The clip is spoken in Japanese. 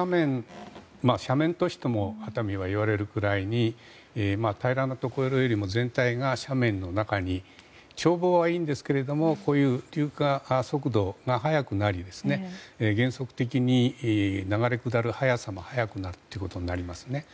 斜面都市とも熱海はいわれるぐらいに平らなところよりも全体が斜面の中に眺望はいいんですけどこういう流下速度も速くなり原則的に流れ下る速さが速くなるということですね。